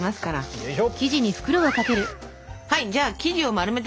よいしょ。